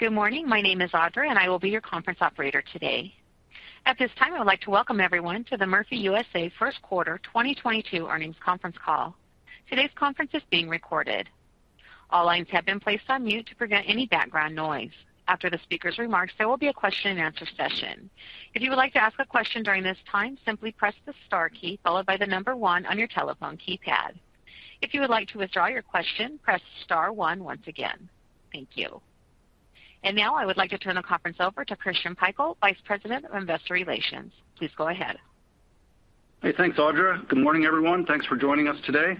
Good morning. My name is Audra, and I will be your conference operator today. At this time, I would like to welcome everyone to the Murphy USA First Quarter 2022 Earnings Conference Call. Today's conference is being recorded. All lines have been placed on mute to prevent any background noise. After the speaker's remarks, there will be a question-and-answer session. If you would like to ask a question during this time, simply press the star key followed by the number one on your telephone keypad. If you would like to withdraw your question, press star one once again. Thank you. Now I would like to turn the conference over to Christian Pikul, Vice President of Investor Relations. Please go ahead. Hey, thanks, Audra. Good morning, everyone. Thanks for joining us today.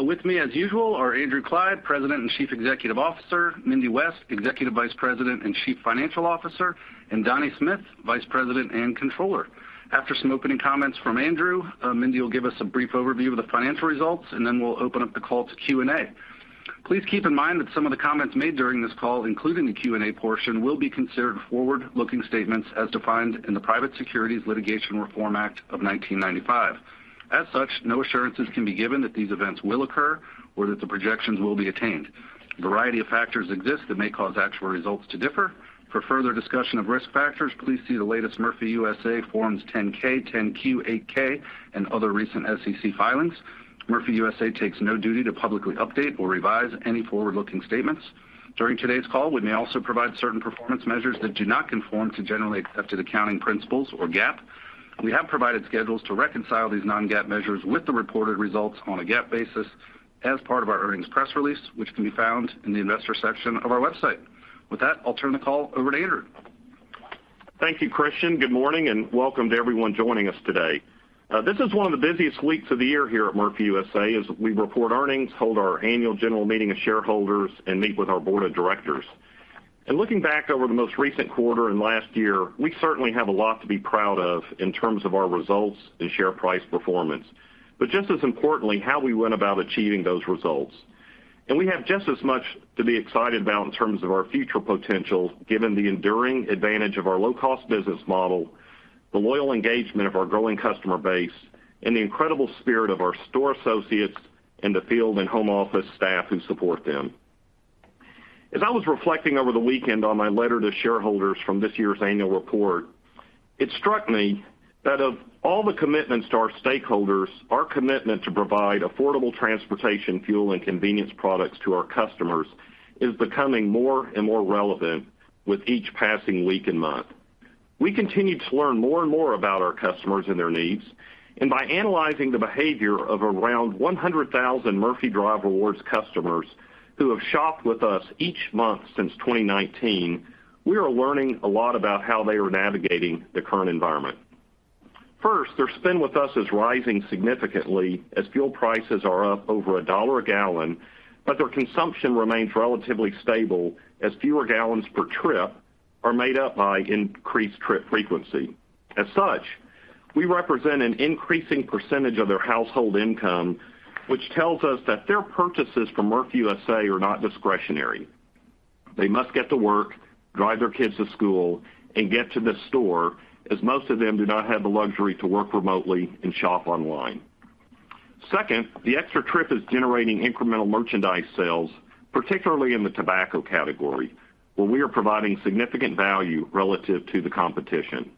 With me as usual are Andrew Clyde, President and Chief Executive Officer, Mindy West, Executive Vice President and Chief Financial Officer, and Donnie Smith, Vice President and Controller. After some opening comments from Andrew, Mindy will give us a brief overview of the financial results, and then we'll open up the call to Q&A. Please keep in mind that some of the comments made during this call, including the Q&A portion, will be considered forward-looking statements as defined in the Private Securities Litigation Reform Act of 1995. As such, no assurances can be given that these events will occur or that the projections will be attained. Variety of factors exist that may cause actual results to differ. For further discussion of risk factors, please see the latest Murphy USA Form 10-K, 10-Q, 8-K, and other recent SEC filings. Murphy USA takes no duty to publicly update or revise any forward-looking statements. During today's call, we may also provide certain performance measures that do not conform to generally accepted accounting principles or GAAP. We have provided schedules to reconcile these non-GAAP measures with the reported results on a GAAP basis as part of our earnings press release, which can be found in the investor section of our website. With that, I'll turn the call over to Andrew. Thank you, Christian. Good morning and welcome to everyone joining us today. This is one of the busiest weeks of the year here at Murphy USA as we report earnings, hold our annual general meeting of shareholders and meet with our board of directors. Looking back over the most recent quarter and last year, we certainly have a lot to be proud of in terms of our results and share price performance, but just as importantly, how we went about achieving those results. We have just as much to be excited about in terms of our future potential, given the enduring advantage of our low-cost business model, the loyal engagement of our growing customer base, and the incredible spirit of our store associates in the field and home office staff who support them. As I was reflecting over the weekend on my letter to shareholders from this year's annual report, it struck me that of all the commitments to our stakeholders, our commitment to provide affordable transportation, fuel, and convenience products to our customers is becoming more and more relevant with each passing week and month. We continue to learn more and more about our customers and their needs, and by analyzing the behavior of around 100,000 Murphy Drive Rewards customers who have shopped with us each month since 2019, we are learning a lot about how they are navigating the current environment. First, their spend with us is rising significantly as fuel prices are up over $1 a gallon, but their consumption remains relatively stable as fewer gallons per trip are made up by increased trip frequency. As such, we represent an increasing percentage of their household income, which tells us that their purchases from Murphy USA are not discretionary. They must get to work, drive their kids to school, and get to the store, as most of them do not have the luxury to work remotely and shop online. Second, the extra trip is generating incremental merchandise sales, particularly in the tobacco category, where we are providing significant value relative to the competition.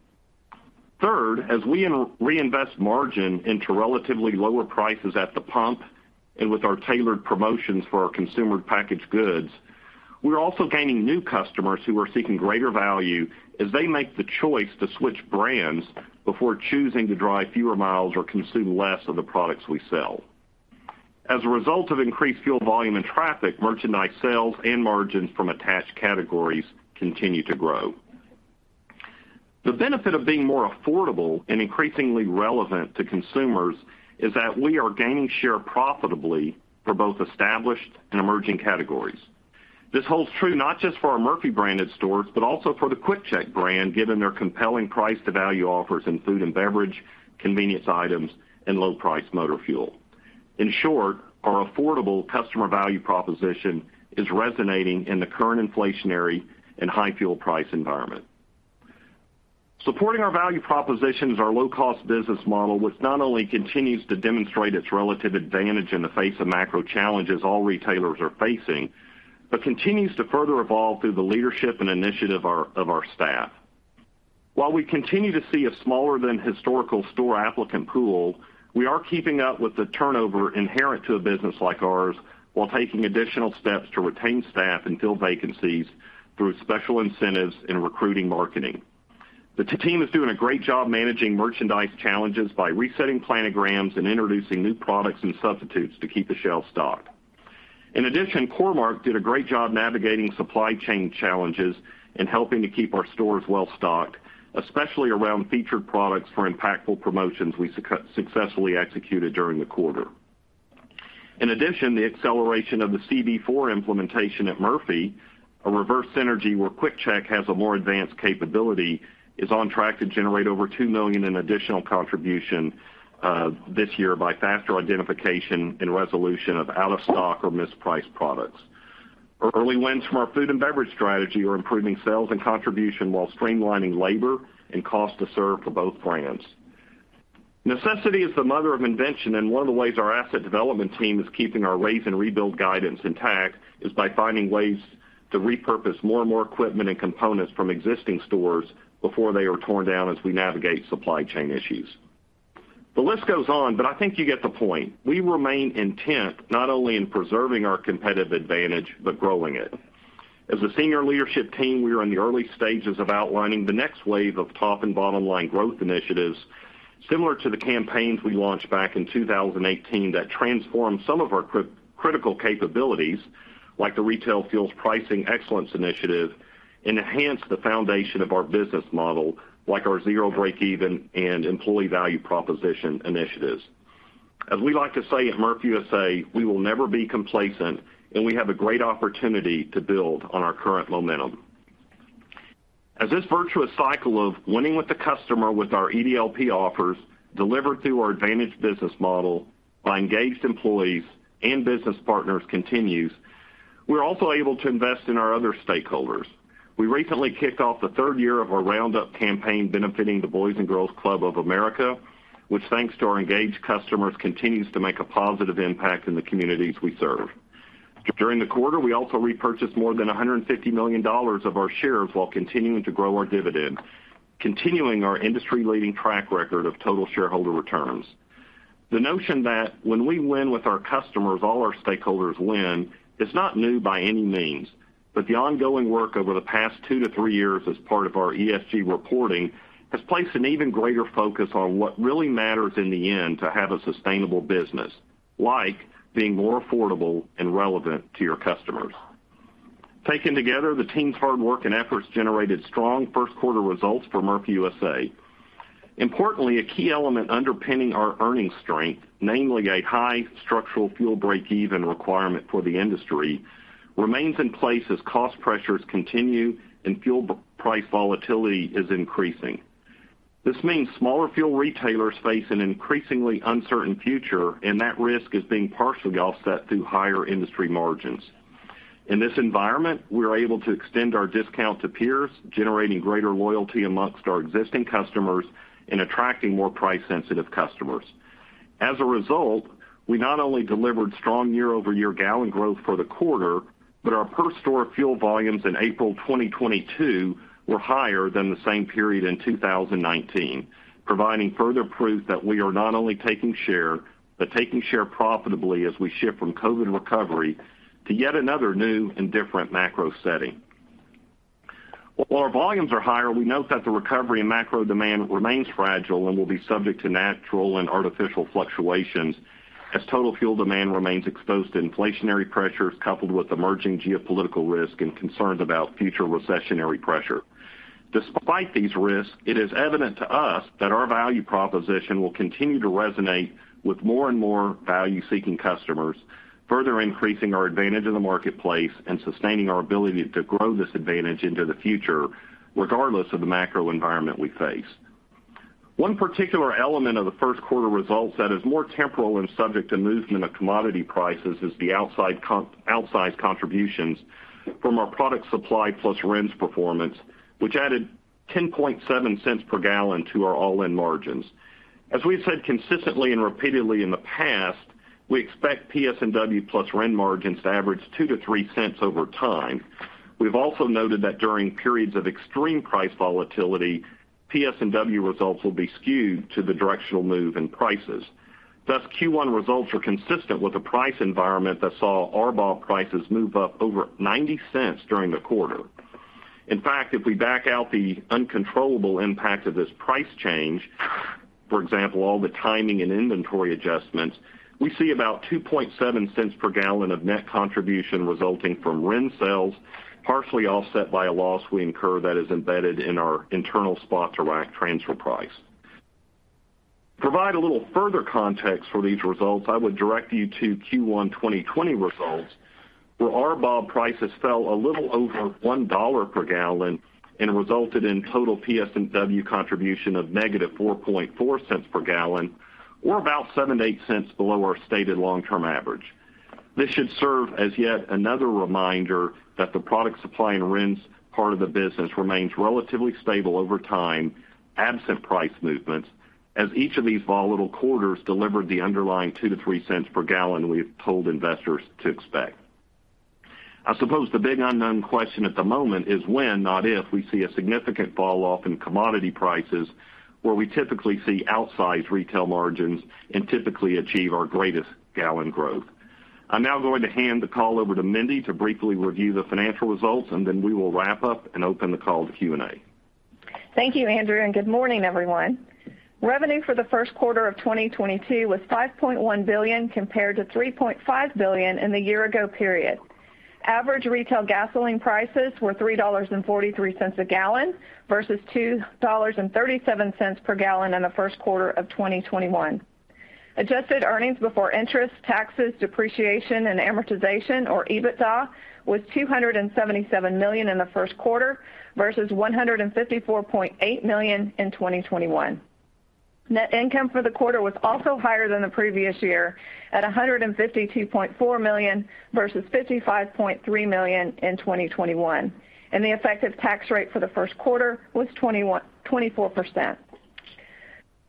Third, as we reinvest margin into relatively lower prices at the pump and with our tailored promotions for our consumer packaged goods, we're also gaining new customers who are seeking greater value as they make the choice to switch brands before choosing to drive fewer miles or consume less of the products we sell. As a result of increased fuel volume and traffic, merchandise sales and margins from attached categories continue to grow. The benefit of being more affordable and increasingly relevant to consumers is that we are gaining share profitably for both established and emerging categories. This holds true not just for our Murphy branded stores, but also for the QuickChek brand, given their compelling price to value offers in food and beverage, convenience items, and low price motor fuel. In short, our affordable customer value proposition is resonating in the current inflationary and high fuel price environment. Supporting our value proposition is our low cost business model, which not only continues to demonstrate its relative advantage in the face of macro challenges all retailers are facing, but continues to further evolve through the leadership and initiative of our staff. While we continue to see a smaller than historical store applicant pool, we are keeping up with the turnover inherent to a business like ours while taking additional steps to retain staff and fill vacancies through special incentives in recruiting marketing. The team is doing a great job managing merchandise challenges by resetting planograms and introducing new products and substitutes to keep the shelf stocked. In addition, Core-Mark did a great job navigating supply chain challenges and helping to keep our stores well-stocked, especially around featured products for impactful promotions we successfully executed during the quarter. In addition, the acceleration of the CB4 implementation at Murphy, a reverse synergy where QuickChek has a more advanced capability, is on track to generate over $2 million in additional contribution this year by faster identification and resolution of out-of-stock or mispriced products. Early wins from our food and beverage strategy are improving sales and contribution while streamlining labor and cost to serve for both brands. Necessity is the mother of invention, and one of the ways our asset development team is keeping our raise and rebuild guidance intact is by finding ways to repurpose more and more equipment and components from existing stores before they are torn down as we navigate supply chain issues. The list goes on, but I think you get the point. We remain intent not only in preserving our competitive advantage, but growing it. As a senior leadership team, we are in the early stages of outlining the next wave of top and bottom line growth initiatives, similar to the campaigns we launched back in 2018 that transformed some of our critical capabilities, like the Retail Fuels Pricing Excellence initiative, enhance the foundation of our business model, like our zero breakeven and employee value proposition initiatives. As we like to say at Murphy USA, we will never be complacent, and we have a great opportunity to build on our current momentum. As this virtuous cycle of winning with the customer with our EDLP offers delivered through our advantage business model by engaged employees and business partners continues, we're also able to invest in our other stakeholders. We recently kicked off the third year of our roundup campaign benefiting the Boys & Girls Clubs of America, which, thanks to our engaged customers, continues to make a positive impact in the communities we serve. During the quarter, we also repurchased more than $150 million of our shares while continuing to grow our dividend, continuing our industry-leading track record of total shareholder returns. The notion that when we win with our customers, all our stakeholders win is not new by any means, but the ongoing work over the past two to three years as part of our ESG reporting has placed an even greater focus on what really matters in the end to have a sustainable business, like being more affordable and relevant to your customers. Taken together, the team's hard work and efforts generated strong first quarter results for Murphy USA. Importantly, a key element underpinning our earnings strength, namely a high structural fuel breakeven requirement for the industry, remains in place as cost pressures continue and fuel price volatility is increasing. This means smaller fuel retailers face an increasingly uncertain future, and that risk is being partially offset through higher industry margins. In this environment, we are able to extend our discount to peers, generating greater loyalty among our existing customers and attracting more price-sensitive customers. As a result, we not only delivered strong year-over-year gallon growth for the quarter, but our per store fuel volumes in April 2022 were higher than the same period in 2019, providing further proof that we are not only taking share, but taking share profitably as we shift from COVID recovery to yet another new and different macro setting. While our volumes are higher, we note that the recovery in macro demand remains fragile and will be subject to natural and artificial fluctuations as total fuel demand remains exposed to inflationary pressures coupled with emerging geopolitical risk and concerns about future recessionary pressure. Despite these risks, it is evident to us that our value proposition will continue to resonate with more and more value-seeking customers, further increasing our advantage in the marketplace and sustaining our ability to grow this advantage into the future regardless of the macro environment we face. One particular element of the first quarter results that is more temporal and subject to movement of commodity prices is the outsized contributions from our product supply and RINs performance, which added $0.107 per gallon to our all-in margins. As we've said consistently and repeatedly in the past, we expect PS&W rack margins to average $0.02-$0.03 over time. We've also noted that during periods of extreme price volatility, PS&W results will be skewed to the directional move in prices. Thus, Q1 results are consistent with the price environment that saw RBOB prices move up over $0.90 during the quarter. In fact, if we back out the uncontrollable impact of this price change, for example, all the timing and inventory adjustments, we see about $0.027 per gallon of net contribution resulting from rack sales, partially offset by a loss we incur that is embedded in our internal spot to rack transfer price. To provide a little further context for these results, I would direct you to Q1 2020 results, where RBOB prices fell a little over $1 per gallon and resulted in total PS&W contribution of -$0.044 per gallon, or about $0.07-$0.08 below our stated long-term average. This should serve as yet another reminder that the product supply and RINs part of the business remains relatively stable over time, absent price movements, as each of these volatile quarters delivered the underlying $0.02-$0.03 per gallon we've told investors to expect. I suppose the big unknown question at the moment is when, not if, we see a significant fall off in commodity prices, where we typically see outsized retail margins and typically achieve our greatest gallon growth. I'm now going to hand the call over to Mindy to briefly review the financial results, and then we will wrap up and open the call to Q&A. Thank you, Andrew, and good morning, everyone. Revenue for the first quarter of 2022 was $5.1 billion, compared to $3.5 billion in the year ago period. Average retail gasoline prices were $3.43 a gallon versus $2.37 per gallon in the first quarter of 2021. Adjusted earnings before interest, taxes, depreciation, and amortization, or EBITDA, was $277 million in the first quarter versus $154.8 million in 2021. Net income for the quarter was also higher than the previous year at $152.4 million versus $55.3 million in 2021. The effective tax rate for the first quarter was 24%.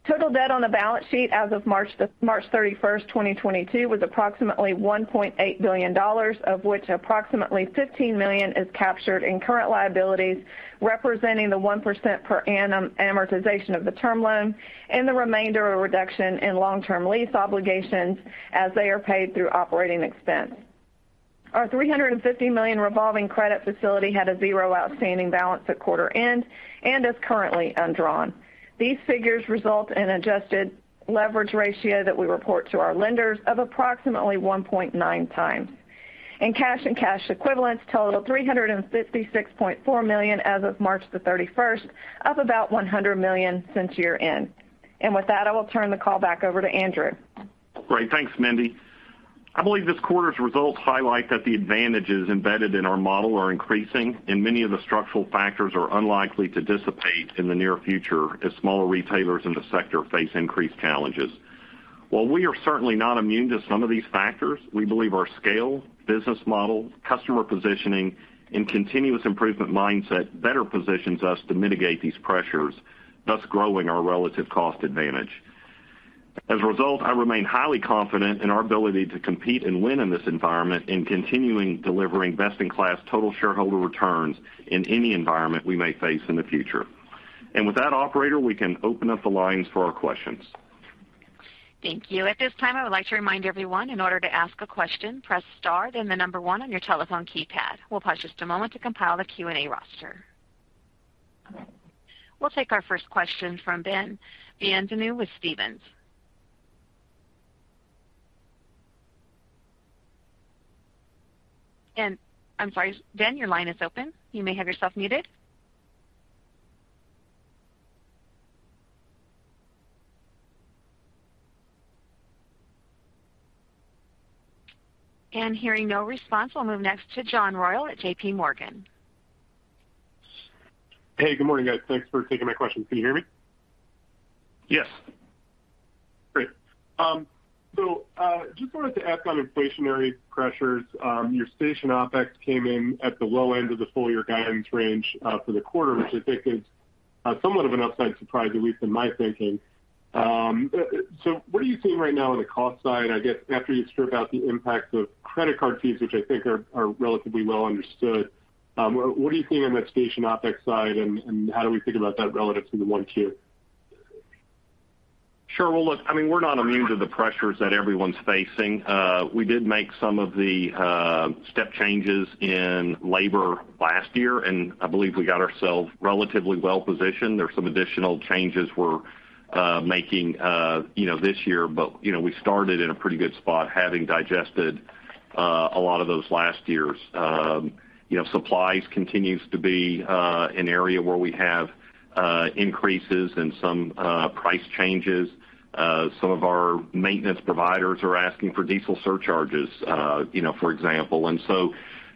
Total debt on the balance sheet as of March 31st, 2022 was approximately $1.8 billion, of which approximately $15 million is captured in current liabilities, representing the 1% per annum amortization of the term loan and the remainder a reduction in long-term lease obligations as they are paid through operating expense. Our $350 million revolving credit facility had a zero outstanding balance at quarter end and is currently undrawn. These figures result in adjusted leverage ratio that we report to our lenders of approximately 1.9x. Cash and cash equivalents totaled $356.4 million as of March 31st, up about $100 million since year-end. With that, I will turn the call back over to Andrew. Great. Thanks, Mindy. I believe this quarter's results highlight that the advantages embedded in our model are increasing, and many of the structural factors are unlikely to dissipate in the near future as smaller retailers in the sector face increased challenges. While we are certainly not immune to some of these factors, we believe our scale, business model, customer positioning, and continuous improvement mindset better positions us to mitigate these pressures, thus growing our relative cost advantage. As a result, I remain highly confident in our ability to compete and win in this environment and continuing delivering best-in-class total shareholder returns in any environment we may face in the future. With that, operator, we can open up the lines for our questions. Thank you. At this time, I would like to remind everyone, in order to ask a question, press star, then the number one on your telephone keypad. We'll pause just a moment to compile the Q&A roster. We'll take our first question from Ben Bienvenu with Stephens. I'm sorry, Ben, your line is open. You may have yourself muted. Hearing no response, we'll move next to John Royall at JP Morgan. Hey, good morning, guys. Thanks for taking my question. Can you hear me? Yes. Great. Just wanted to ask on inflationary pressures, your station OpEx came in at the low end of the full year guidance range, for the quarter, which I think is somewhat of an upside surprise, at least in my thinking. What are you seeing right now on the cost side? I guess after you strip out the impacts of credit card fees, which I think are relatively well understood, what are you seeing on that station OpEx side, and how do we think about that relative to the Q1? Sure. Well, look, I mean, we're not immune to the pressures that everyone's facing. We did make some of the step changes in labor last year, and I believe we got ourselves relatively well positioned. There's some additional changes we're making, you know, this year, but, you know, we started in a pretty good spot, having digested a lot of those last years. You know, supplies continues to be an area where we have increases and some price changes. Some of our maintenance providers are asking for diesel surcharges, you know, for example.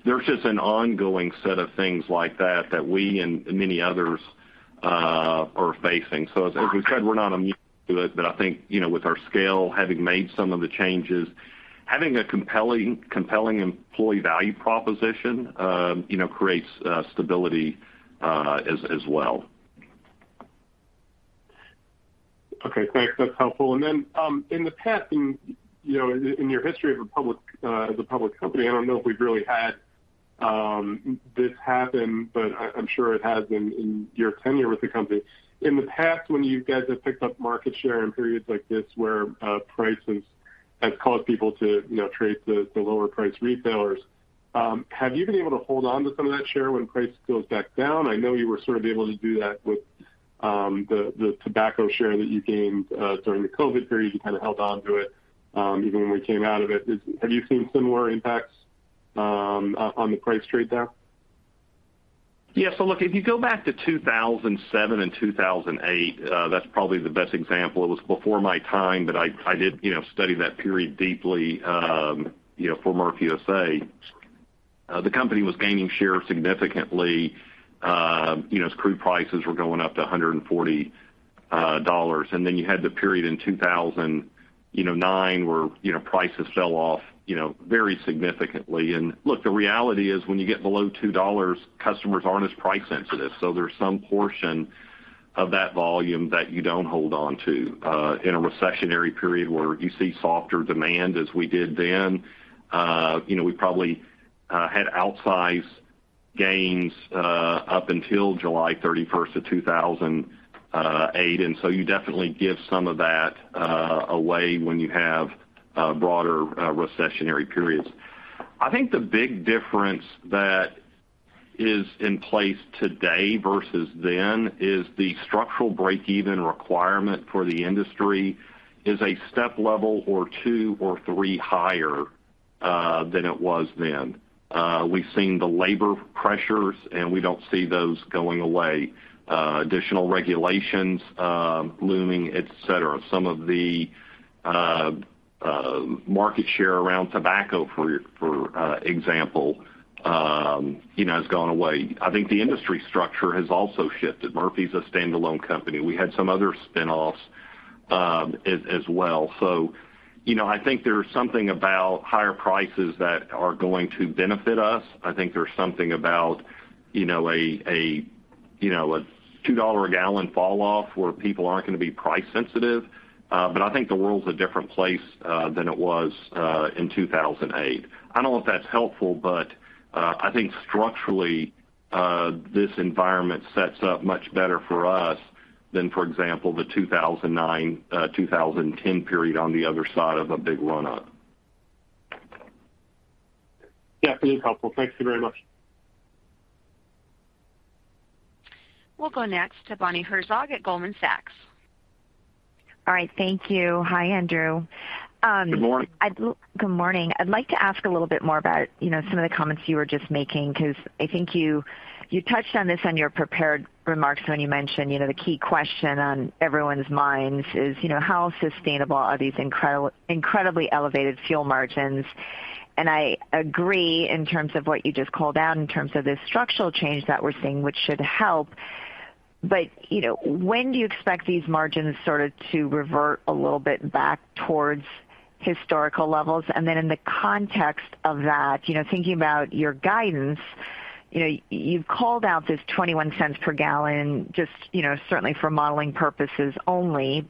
There's just an ongoing set of things like that we and many others are facing. As we said, we're not immune to it, but I think, you know, with our scale, having made some of the changes, having a compelling employee value proposition, you know, creates stability as well. Okay, thanks. That's helpful. In the past, you know, in your history as a public company, I don't know if we've really had this happen, but I'm sure it has in your tenure with the company. In the past, when you guys have picked up market share in periods like this where prices have caused people to, you know, trade to lower priced retailers, have you been able to hold on to some of that share when prices goes back down? I know you were sort of able to do that with the tobacco share that you gained during the COVID period. You kind of held onto it even when we came out of it. Have you seen similar impacts on the price trade down? Yeah. Look, if you go back to 2007 and 2008, that's probably the best example. It was before my time, but I did, you know, study that period deeply, you know, for Murphy USA. The company was gaining share significantly, you know, as crude prices were going up to $140. Then you had the period in 2009, where, you know, prices fell off, you know, very significantly. Look, the reality is when you get below $2, customers aren't as price sensitive. So there's some portion of that volume that you don't hold on to. In a recessionary period where you see softer demand as we did then, you know, we probably had outsized gains up until July 31st, 2008. You definitely give some of that away when you have broader recessionary periods. I think the big difference that is in place today versus then is the structural breakeven requirement for the industry is a step level or two or three higher than it was then. We've seen the labor pressures, and we don't see those going away. Additional regulations looming, et cetera. Some of the market share around tobacco, for example, you know, has gone away. I think the industry structure has also shifted. Murphy's a standalone company. We had some other spinoffs, as well. You know, I think there's something about higher prices that are going to benefit us. I think there's something about, you know, a $2 a gallon fall off where people aren't gonna be price sensitive. I think the world's a different place than it was in 2008. I don't know if that's helpful, but I think structurally this environment sets up much better for us than, for example, the 2009, 2010 period on the other side of a big run-up. Yeah, pretty helpful. Thank you very much. We'll go next to Bonnie Herzog at Goldman Sachs. All right, thank you. Hi, Andrew. Good morning. Good morning. I'd like to ask a little bit more about, you know, some of the comments you were just making, because I think you touched on this in your prepared remarks when you mentioned, you know, the key question on everyone's minds is, you know, how sustainable are these incredibly elevated fuel margins? I agree in terms of what you just called out in terms of the structural change that we're seeing, which should help. You know, when do you expect these margins sort of to revert a little bit back towards historical levels? Then in the context of that, you know, thinking about your guidance, you know, you've called out this $0.21 per gallon, just, you know, certainly for modeling purposes only.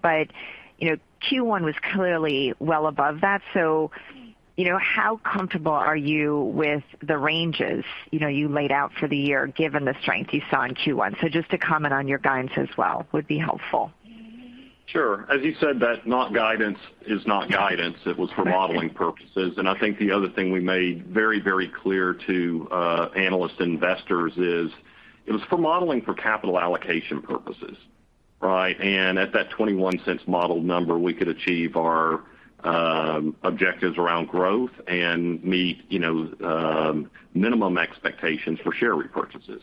You know, Q1 was clearly well above that. You know, how comfortable are you with the ranges, you know, you laid out for the year, given the strength you saw in Q1? Just to comment on your guidance as well would be helpful. Sure. As you said, that's not guidance. It was for modeling purposes. I think the other thing we made very, very clear to analysts and investors is it was for modeling for capital allocation purposes, right? At that $0.21 model number, we could achieve our objectives around growth and meet, you know, minimum expectations for share repurchases.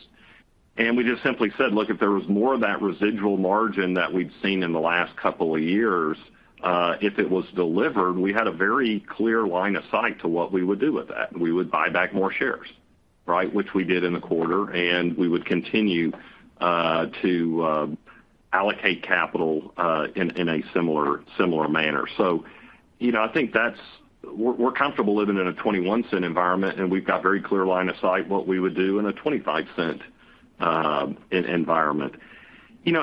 We just simply said, look, if there was more of that residual margin that we'd seen in the last couple of years, if it was delivered, we had a very clear line of sight to what we would do with that. We would buy back more shares, right? Which we did in the quarter, and we would continue to allocate capital in a similar manner. I think we're comfortable living in a $0.21 environment, and we've got very clear line of sight what we would do in a $0.25 environment.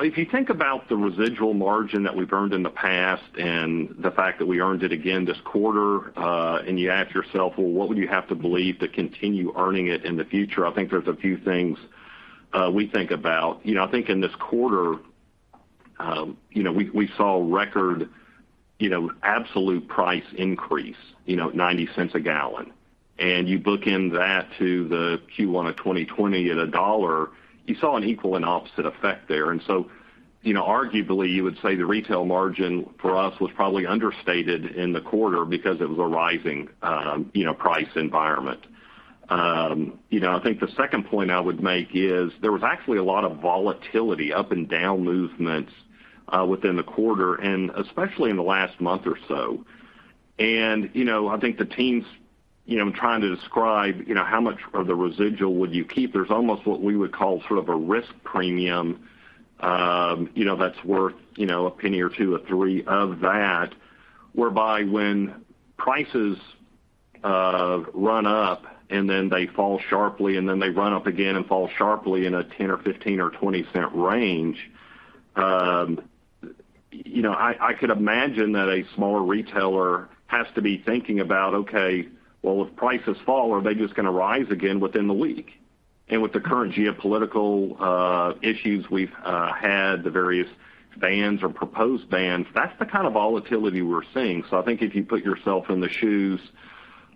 If you think about the residual margin that we've earned in the past and the fact that we earned it again this quarter, and you ask yourself, well, what would you have to believe to continue earning it in the future? I think there's a few things we think about. I think in this quarter, we saw record absolute price increase, $0.90 a gallon. You bookend that to the Q1 2020 at $1, you saw an equal and opposite effect there. You know, arguably, you would say the retail margin for us was probably understated in the quarter because it was a rising, you know, price environment. You know, I think the second point I would make is there was actually a lot of volatility, up and down movements, within the quarter, and especially in the last month or so. You know, I think the team's, you know, trying to describe, you know, how much of the residual would you keep? There's almost what we would call sort of a risk premium, you know, that's worth, you know, a penny or two or three of that, whereby when prices run up and then they fall sharply, and then they run up again and fall sharply in a $10-$15-$20 range, you know, I could imagine that a smaller retailer has to be thinking about, okay, well, if prices fall, are they just gonna rise again within the week? With the current geopolitical issues we've had, the various bans or proposed bans, that's the kind of volatility we're seeing. I think if you put yourself in the shoes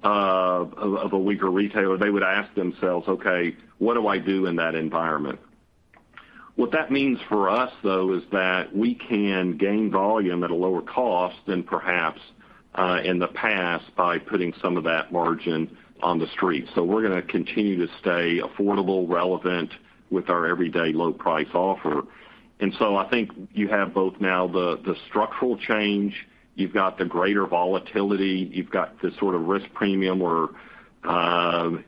of a weaker retailer, they would ask themselves, okay, what do I do in that environment? What that means for us, though, is that we can gain volume at a lower cost than perhaps in the past by putting some of that margin on the street. We're gonna continue to stay affordable, relevant with our everyday low price offer. I think you have both now the structural change. You've got the greater volatility. You've got the sort of risk premium where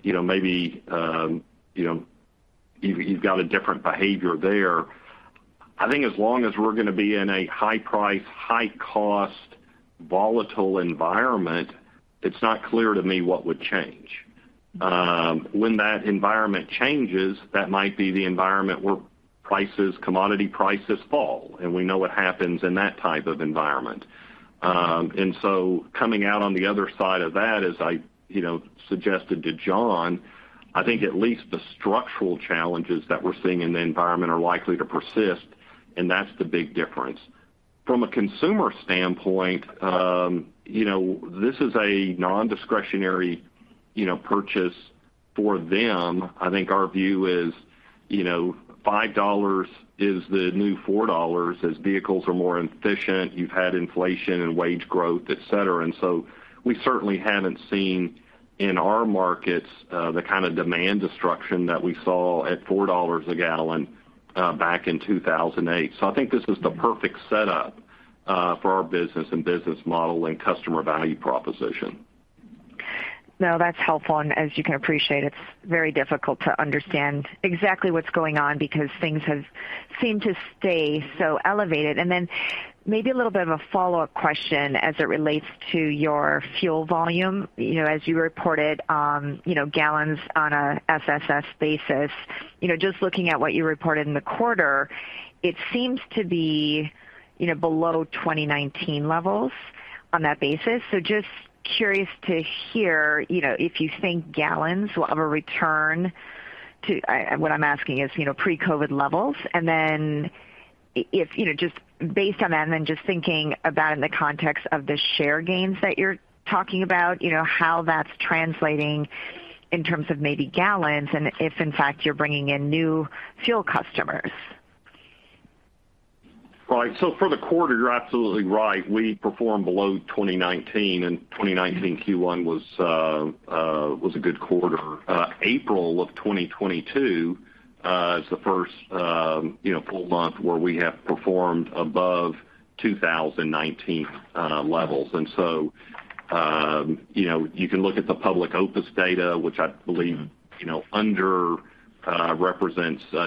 you know, maybe you know, you've got a different behavior there. I think as long as we're gonna be in a high price, high cost, volatile environment, it's not clear to me what would change. When that environment changes, that might be the environment where prices, commodity prices fall, and we know what happens in that type of environment. Coming out on the other side of that, as I, you know, suggested to John Royall, I think at least the structural challenges that we're seeing in the environment are likely to persist, and that's the big difference. From a consumer standpoint, you know, this is a nondiscretionary, you know, purchase for them. I think our view is, you know, $5 is the new $4 as vehicles are more efficient, you've had inflation and wage growth, et cetera. We certainly haven't seen in our markets the kind of demand destruction that we saw at $4 a gallon back in 2008. I think this is the perfect setup for our business and business model and customer value proposition. No, that's helpful. As you can appreciate, it's very difficult to understand exactly what's going on because things have seemed to stay so elevated. Maybe a little bit of a follow-up question as it relates to your fuel volume. You know, as you reported, you know, gallons on a SSS basis, you know, just looking at what you reported in the quarter, it seems to be, you know, below 2019 levels on that basis. Just curious to hear, you know, if you think gallons will ever return to what I'm asking is, you know, pre-COVID levels, and then if, you know, just based on that and then just thinking about in the context of the share gains that you're talking about, you know, how that's translating in terms of maybe gallons and if in fact you're bringing in new fuel customers. Right. For the quarter, you're absolutely right. We performed below 2019, and 2019 Q1 was a good quarter. April of 2022 is the first, you know, full month where we have performed above 2019 levels. You know, you can look at the public OPIS data, which I believe, you know, underrepresents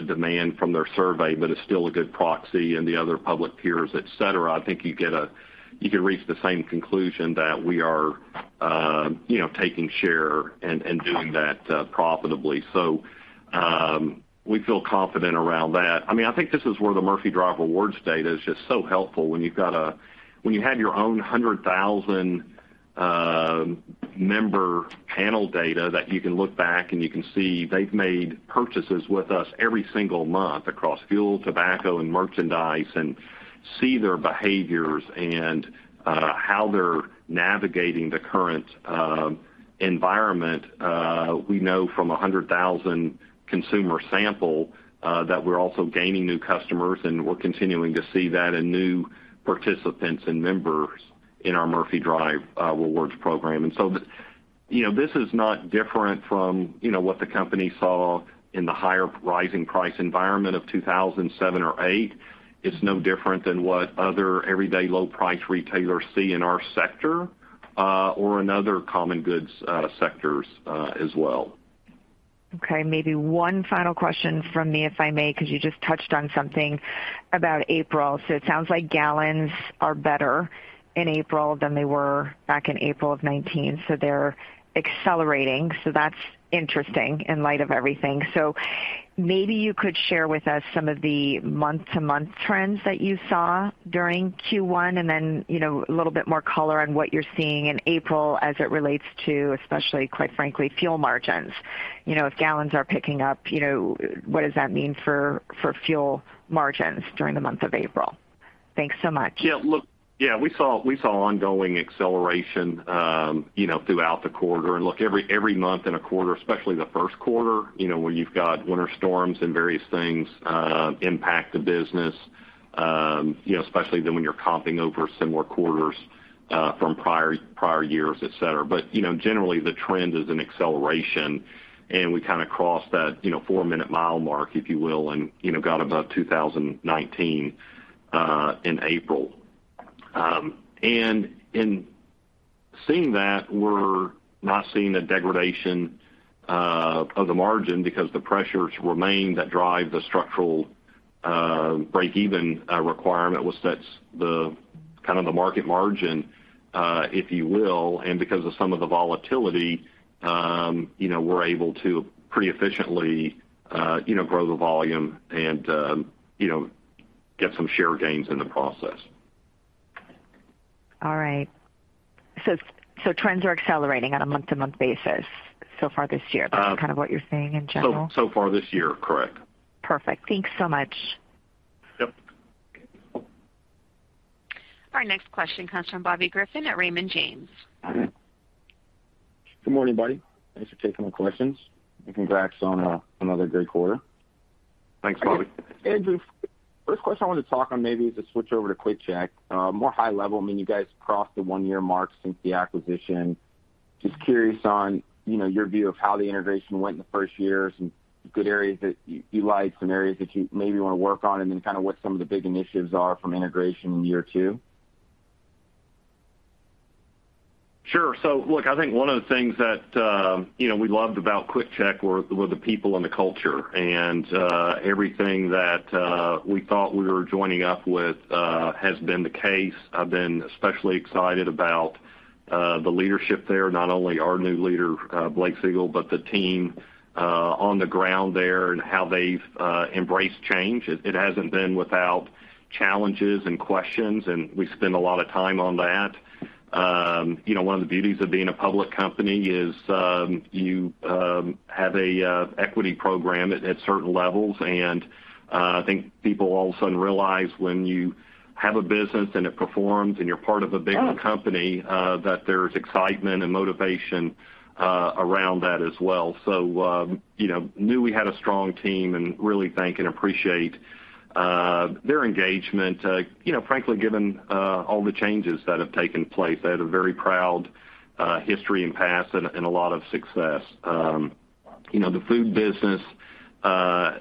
demand from their survey, but it's still a good proxy and the other public peers, et cetera. I think you can reach the same conclusion that we are, you know, taking share and doing that profitably. We feel confident around that. I mean, I think this is where the Murphy Drive Rewards data is just so helpful when you have your own 100,000 member panel data that you can look back and you can see they've made purchases with us every single month across fuel, tobacco, and merchandise and see their behaviors and how they're navigating the current environment. We know from a 100,000 consumer sample that we're also gaining new customers, and we're continuing to see that in new participants and members in our Murphy Drive Rewards program. You know, this is not different from, you know, what the company saw in the higher rising price environment of 2007 or 2008. It's no different than what other everyday low price retailers see in our sector, or in other common goods, sectors, as well. Okay. Maybe one final question from me, if I may, because you just touched on something about April. It sounds like gallons are better in April than they were back in April of 2019. They're accelerating. That's interesting in light of everything. Maybe you could share with us some of the month-to-month trends that you saw during Q1, and then, you know, a little bit more color on what you're seeing in April as it relates to especially, quite frankly, fuel margins. You know, if gallons are picking up, you know, what does that mean for fuel margins during the month of April? Thanks so much. Yeah. Look, we saw ongoing acceleration, you know, throughout the quarter. Look, every month in a quarter, especially the first quarter, you know, when you've got winter storms and various things impact the business, you know, especially then when you're comping over similar quarters from prior years, et cetera. Generally the trend is an acceleration, and we kind of crossed that four-minute mile mark, if you will, and got above 2019 in April. In seeing that, we're not seeing a degradation of the margin because the pressures remain that drive the structural break even requirement, which sets the kind of the market margin, if you will. Because of some of the volatility, you know, we're able to pretty efficiently, you know, grow the volume and, you know, get some share gains in the process. All right. Trends are accelerating on a month-to-month basis so far this year. Um- That's kind of what you're saying in general? So far this year, correct. Perfect. Thanks so much. Yep. Our next question comes from Bobby Griffin at Raymond James. All right. Good morning, Buddy. Thanks for taking my questions and congrats on another great quarter. Thanks, Bobby. Andrew, first question I want to talk on maybe is to switch over to QuickChek, more high level. I mean, you guys crossed the one-year mark since the acquisition. Just curious on, you know, your view of how the integration went in the first year, some good areas that you liked, some areas that you maybe want to work on, and then kind of what some of the big initiatives are from integration in year two. Sure. Look, I think one of the things that, you know, we loved about QuickChek were the people and the culture. Everything that we thought we were joining up with has been the case. I've been especially excited about the leadership there, not only our new leader, Blake Segal, but the team on the ground there and how they've embraced change. It hasn't been without challenges and questions, and we spend a lot of time on that. You know, one of the beauties of being a public company is you have a equity program at certain levels. I think people all of a sudden realize when you have a business and it performs and you're part of a bigger company that there's excitement and motivation around that as well. You know knew we had a strong team and really thank and appreciate their engagement, you know, frankly, given all the changes that have taken place. They had a very proud history and past and a lot of success. You know, the food business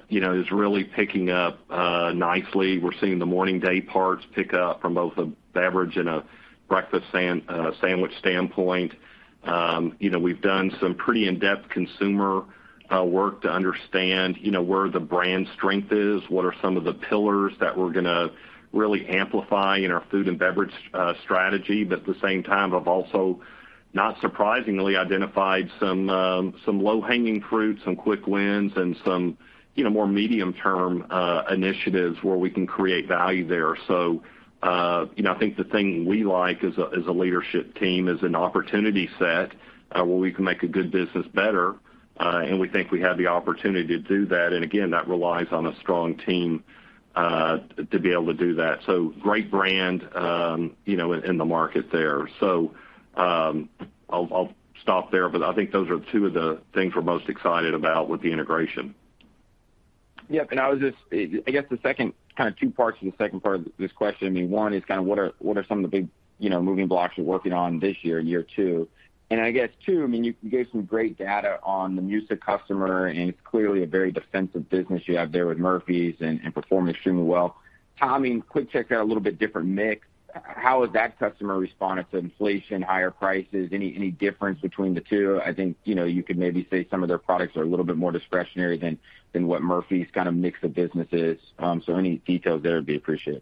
you know is really picking up nicely. We're seeing the morning day parts pick up from both a beverage and a breakfast sandwich standpoint. You know, we've done some pretty in-depth consumer work to understand, you know, where the brand strength is, what are some of the pillars that we're gonna really amplify in our food and beverage strategy. But at the same time have also, not surprisingly, identified some low-hanging fruit, some quick wins, and some you know more medium-term initiatives where we can create value there. You know, I think the thing we like as a leadership team is an opportunity set, where we can make a good business better, and we think we have the opportunity to do that. Again, that relies on a strong team, to be able to do that. Great brand, you know, in the market there. I'll stop there, but I think those are two of the things we're most excited about with the integration. Yep. I guess the second kind of two parts in the second part of this question. I mean, one is kind of what are some of the big, you know, moving blocks you're working on this year two? I guess, two, I mean, you gave some great data on the MUSA customer, and it's clearly a very defensive business you have there with Murphy's and performing extremely well. Tom, in QuickChek they're a little bit different mix. How has that customer responded to inflation, higher prices? Any difference between the two? I think, you know, you could maybe say some of their products are a little bit more discretionary than what Murphy's kind of mix of business is. So any details there would be appreciated.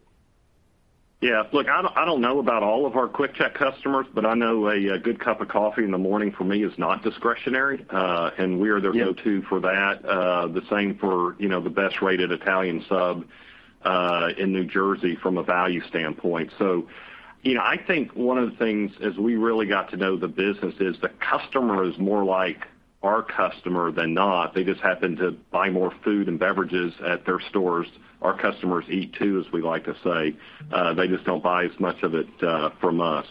Yeah. Look, I don't know about all of our QuickChek customers, but I know a good cup of coffee in the morning for me is not discretionary, and we are their. Yeah Go-to for that. The same for, you know, the best-rated Italian sub, in New Jersey from a value standpoint. You know, I think one of the things as we really got to know the business is the customer is more like our customer than not. They just happen to buy more food and beverages at their stores. Our customers eat, too, as we like to say. They just don't buy as much of it, from us.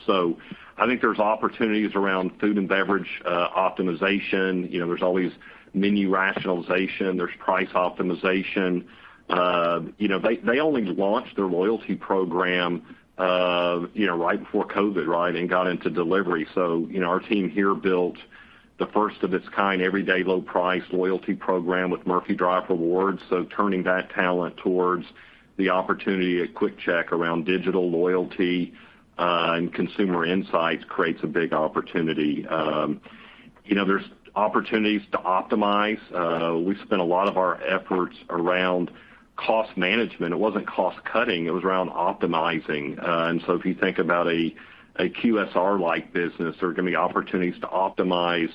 I think there's opportunities around food and beverage, optimization. You know, there's always menu rationalization, there's price optimization. You know, they only launched their loyalty program, you know, right before COVID, right, and got into delivery. You know, our team here built the first of its kind everyday low price loyalty program with Murphy Drive Rewards. Turning that talent towards the opportunity at QuickChek around digital loyalty and consumer insights creates a big opportunity. You know, there's opportunities to optimize. We spent a lot of our efforts around cost management. It wasn't cost cutting, it was around optimizing. If you think about a QSR-like business, there are gonna be opportunities to optimize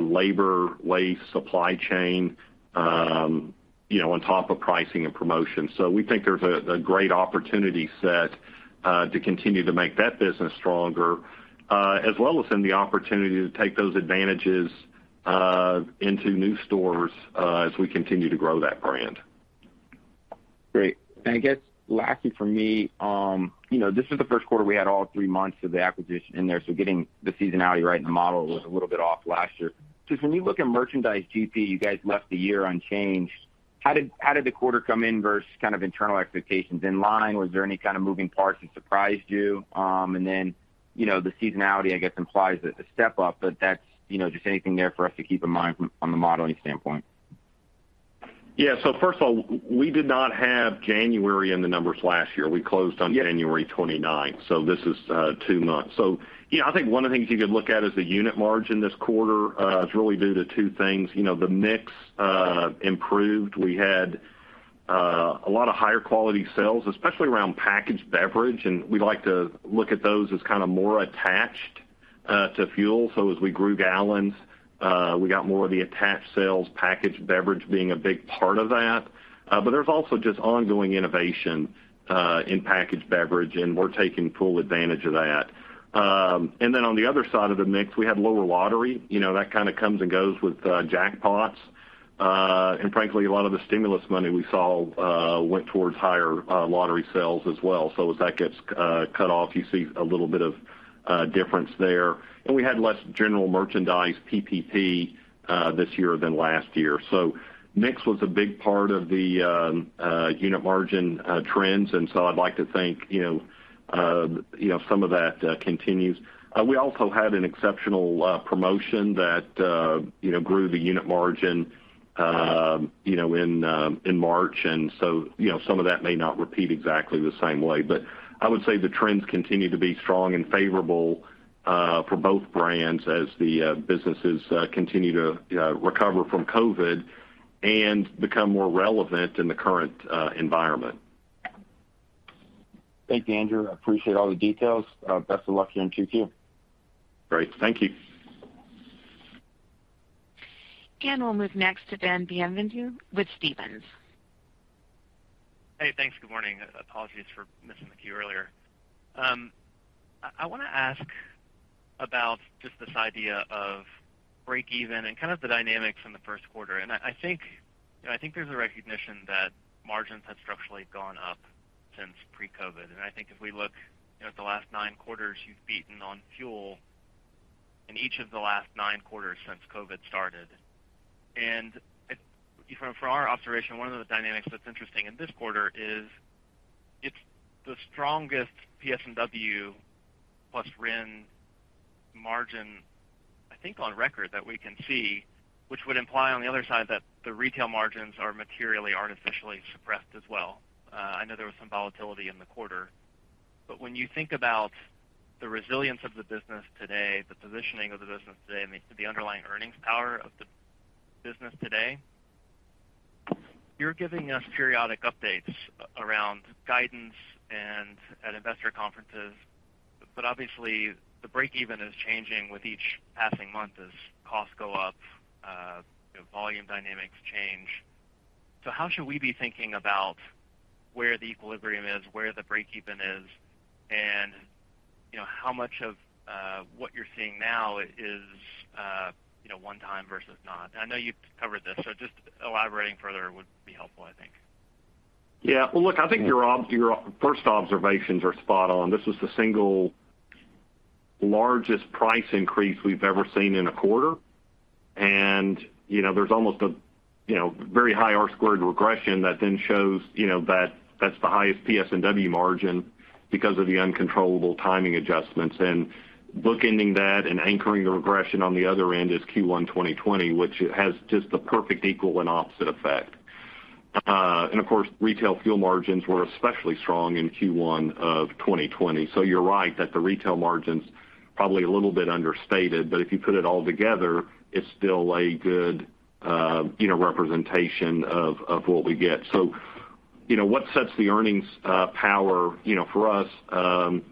labor, waste, supply chain, you know, on top of pricing and promotion. We think there's a great opportunity set to continue to make that business stronger as well as then the opportunity to take those advantages into new stores as we continue to grow that brand. Great. I guess, lastly for me, you know, this is the first quarter we had all three months of the acquisition in there, so getting the seasonality right in the model was a little bit off last year. When you look at merchandise GP, you guys left the year unchanged. How did the quarter come in versus kind of internal expectations? In line? Was there any kind of moving parts that surprised you? You know, the seasonality, I guess, implies a step up, but that's, you know, just anything there for us to keep in mind from on the modeling standpoint? Yeah. First of all, we did not have January in the numbers last year. We closed on. Yeah January 29th, so this is two months. You know, I think one of the things you could look at is the unit margin this quarter is really due to two things. You know, the mix improved. We had a lot of higher quality sales, especially around packaged beverage, and we like to look at those as kind of more attached to fuel. As we grew gallons, we got more of the attached sales, packaged beverage being a big part of that. There's also just ongoing innovation in packaged beverage, and we're taking full advantage of that. Then on the other side of the mix, we had lower lottery. You know, that kind of comes and goes with jackpots. Frankly, a lot of the stimulus money we saw went towards higher lottery sales as well. As that gets cut off, you see a little bit of difference there. We had less general merchandise, PPE, this year than last year. Mix was a big part of the unit margin trends, and so I'd like to think you know some of that continues. We also had an exceptional promotion that you know grew the unit margin you know in March. You know, some of that may not repeat exactly the same way. I would say the trends continue to be strong and favorable for both brands as the businesses continue to recover from COVID and become more relevant in the current environment. Thank you, Andrew. I appreciate all the details. Best of luck here in Q2. Great. Thank you. We'll move next to Ben Bienvenu with Stephens. Hey, thanks. Good morning. Apologies for missing the queue earlier. I wanna ask about just this idea of breakeven and kind of the dynamics in the first quarter. I think, you know, I think there's a recognition that margins have structurally gone up since pre-COVID. I think if we look, you know, at the last nine quarters, you've beaten on fuel in each of the last nine quarters since COVID started. From our observation, one of the dynamics that's interesting in this quarter is. It's the strongest PS&W plus RIN margin, I think, on record that we can see, which would imply on the other side that the retail margins are materially artificially suppressed as well. I know there was some volatility in the quarter. When you think about the resilience of the business today, the positioning of the business today, and the underlying earnings power of the business today, you're giving us periodic updates around guidance and at investor conferences. Obviously, the breakeven is changing with each passing month as costs go up, you know, volume dynamics change. How should we be thinking about where the equilibrium is, where the breakeven is, and, you know, how much of what you're seeing now is, you know, one time versus not? I know you've covered this, so just elaborating further would be helpful, I think. Yeah. Well, look, I think your first observations are spot on. This was the single largest price increase we've ever seen in a quarter. You know, there's almost a you know, very high R-squared regression that then shows, you know, that that's the highest PS&W margin because of the uncontrollable timing adjustments. Bookending that and anchoring the regression on the other end is Q1 2020, which has just the perfect equal and opposite effect. Of course, retail fuel margins were especially strong in Q1 2020. You're right that the retail margin's probably a little bit understated, but if you put it all together, it's still a good you know, representation of what we get. You know, what sets the earnings power, you know, for us, you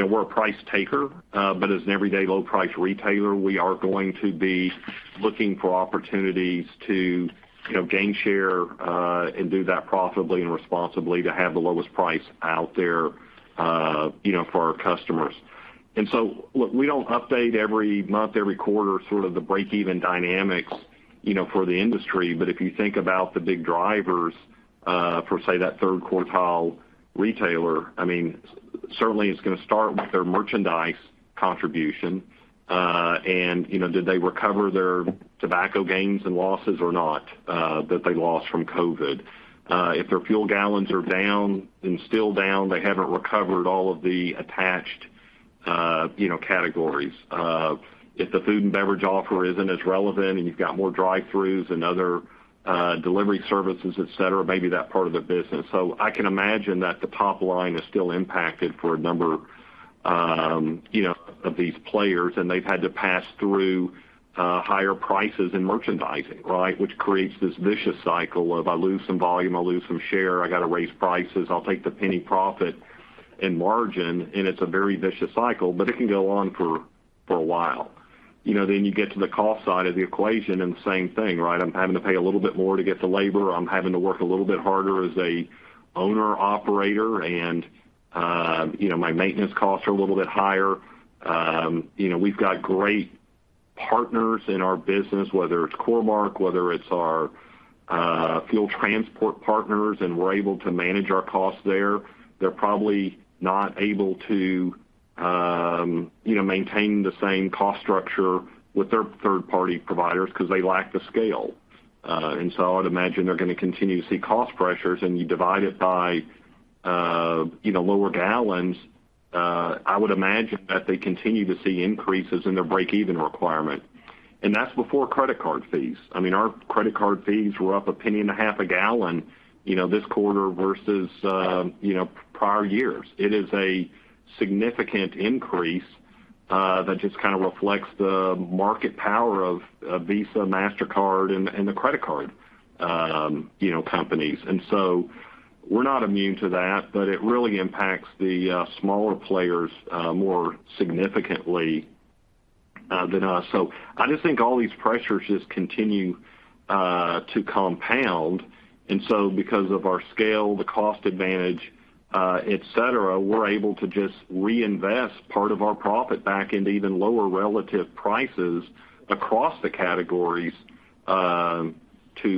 know, we're a price taker, but as an everyday low price retailer, we are going to be looking for opportunities to, you know, gain share, and do that profitably and responsibly to have the lowest price out there, you know, for our customers. Look, we don't update every month, every quarter, sort of the breakeven dynamics, you know, for the industry. If you think about the big drivers, for, say, that third quartile retailer, I mean, certainly it's gonna start with their merchandise contribution. And, you know, did they recover their tobacco gains and losses or not, that they lost from COVID? If their fuel gallons are down and still down, they haven't recovered all of the attached, you know, categories. If the food and beverage offer isn't as relevant and you've got more drive-throughs and other, delivery services, et cetera, maybe that part of the business. I can imagine that the top line is still impacted for a number, you know, of these players, and they've had to pass through, higher prices in merchandising, right? Which creates this vicious cycle of I lose some volume, I lose some share, I gotta raise prices. I'll take the penny profit in margin, and it's a very vicious cycle, but it can go on for a while. You know, then you get to the cost side of the equation and the same thing, right? I'm having to pay a little bit more to get the labor. I'm having to work a little bit harder as an owner-operator, and you know, my maintenance costs are a little bit higher. You know, we've got great partners in our business, whether it's Core-Mark, whether it's our fuel transport partners, and we're able to manage our costs there. They're probably not able to, you know, maintain the same cost structure with their third-party providers because they lack the scale. I would imagine they're gonna continue to see cost pressures, and you divide it by, you know, lower gallons, I would imagine that they continue to see increases in their breakeven requirement. That's before credit card fees. I mean, our credit card fees were up $0.015 a gallon, you know, this quarter versus prior years. It is a significant increase that just kind of reflects the market power of Visa, Mastercard, and the credit card, you know, companies. We're not immune to that, but it really impacts the smaller players more significantly than us. I just think all these pressures just continue to compound. Because of our scale, the cost advantage, et cetera, we're able to just reinvest part of our profit back into even lower relative prices across the categories, to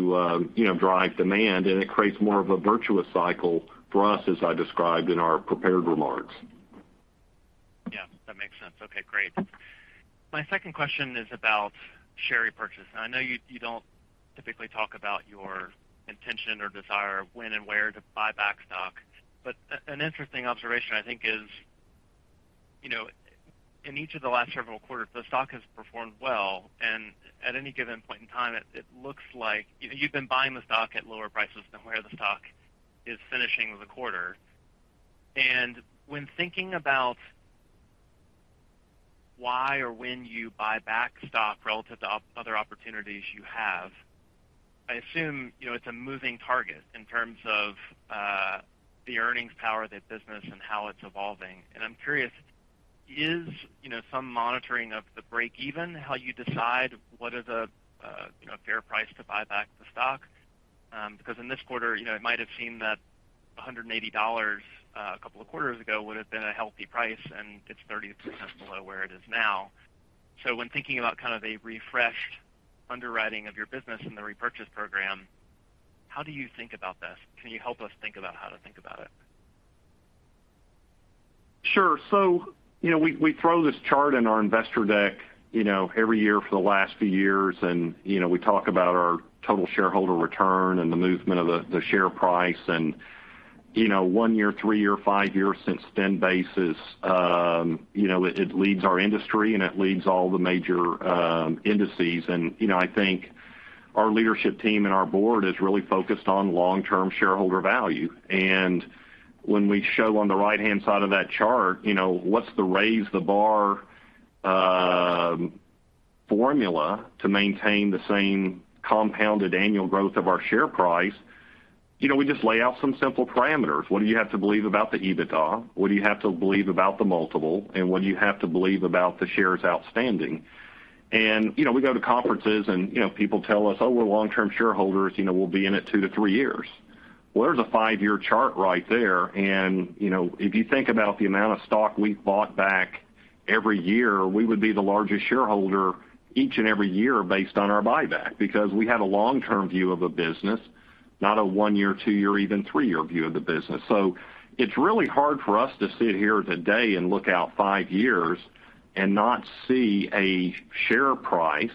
you know, drive demand. It creates more of a virtuous cycle for us, as I described in our prepared remarks. Yeah, that makes sense. Okay, great. My second question is about share repurchase. I know you don't typically talk about your intention or desire of when and where to buy back stock. An interesting observation, I think is, you know, in each of the last several quarters, the stock has performed well. At any given point in time, it looks like you've been buying the stock at lower prices than where the stock is finishing the quarter. When thinking about why or when you buy back stock relative to other opportunities you have, I assume, you know, it's a moving target in terms of, the earnings power of the business and how it's evolving. I'm curious, is, you know, some monitoring of the breakeven how you decide what is a, you know, fair price to buy back the stock? Because in this quarter, you know, it might have seemed that $180, a couple of quarters ago would have been a healthy price, and it's 30% below where it is now. When thinking about kind of a refreshed underwriting of your business and the repurchase program, how do you think about this? Can you help us think about how to think about it? Sure. You know, we throw this chart in our investor deck, you know, every year for the last few years, and, you know, we talk about our total shareholder return and the movement of the share price and, you know, one-year, three-year, five-year since then basis. You know, it leads our industry and it leads all the major indices. You know, I think our leadership team and our board is really focused on long-term shareholder value. When we show on the right-hand side of that chart, you know, what's the raise the bar formula to maintain the same compounded annual growth of our share price, you know, we just lay out some simple parameters. What do you have to believe about the EBITDA? What do you have to believe about the multiple, and what do you have to believe about the shares outstanding? You know, we go to conferences and, you know, people tell us, "Oh, we're long-term shareholders, you know, we'll be in it two to three years." Well, there's a five-year chart right there. You know, if you think about the amount of stock we've bought back every year, we would be the largest shareholder each and every year based on our buyback. Because we have a long-term view of a business, not a one-year, two-year, even three-year view of the business. It's really hard for us to sit here today and look out five years and not see a share price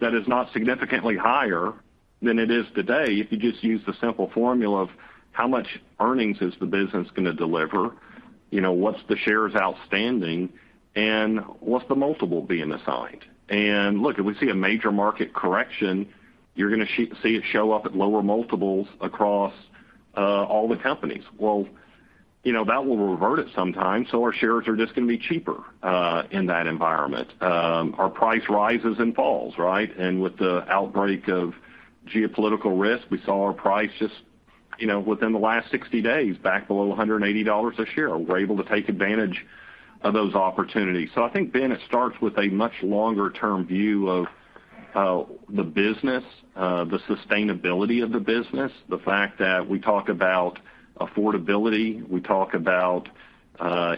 that is not significantly higher than it is today if you just use the simple formula of how much earnings is the business gonna deliver, you know, what's the shares outstanding, and what's the multiple being assigned. Look, if we see a major market correction, you're gonna see it show up at lower multiples across all the companies. You know, that will revert at some time, so our shares are just gonna be cheaper in that environment. Our price rises and falls, right? With the outbreak of geopolitical risk, we saw our price just, you know, within the last 60 days back below $180 a share. We're able to take advantage of those opportunities. I think, Ben, it starts with a much longer term view of the business, the sustainability of the business, the fact that we talk about affordability, we talk about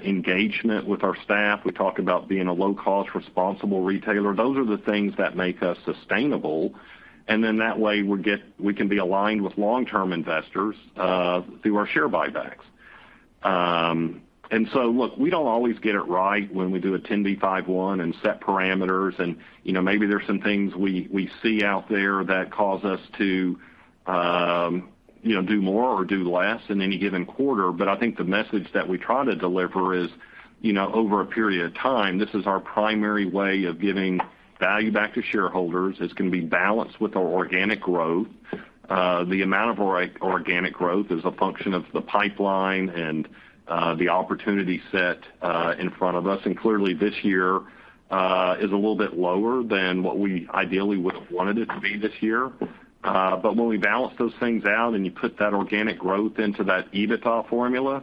engagement with our staff, we talk about being a low cost responsible retailer. Those are the things that make us sustainable. That way we can be aligned with long-term investors through our share buybacks. Look, we don't always get it right when we do a 10b5-1 and set parameters and, you know, maybe there's some things we see out there that cause us to, you know, do more or do less in any given quarter. I think the message that we try to deliver is, you know, over a period of time, this is our primary way of giving value back to shareholders. It's gonna be balanced with our organic growth. The amount of organic growth is a function of the pipeline and the opportunity set in front of us. Clearly, this year is a little bit lower than what we ideally would have wanted it to be this year. When we balance those things out and you put that organic growth into that EBITDA formula,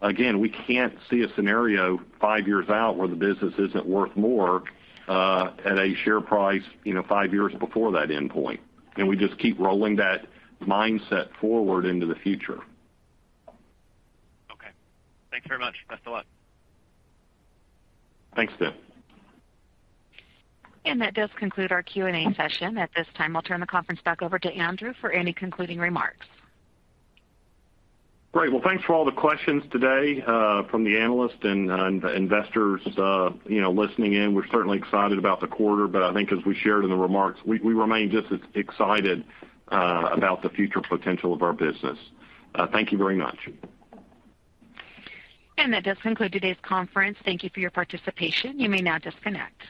again, we can't see a scenario five years out where the business isn't worth more at a share price, you know, five years before that endpoint. We just keep rolling that mindset forward into the future. Okay. Thanks very much. Best of luck. Thanks, Ben. That does conclude our Q&A session. At this time, I'll turn the conference back over to Andrew for any concluding remarks. Great. Well, thanks for all the questions today from the analysts and the investors, you know, listening in. We're certainly excited about the quarter, but I think as we shared in the remarks, we remain just as excited about the future potential of our business. Thank you very much. That does conclude today's conference. Thank you for your participation. You may now disconnect.